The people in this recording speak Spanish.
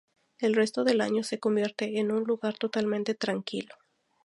El resto del año, se convierte en un lugar totalmente tranquilo.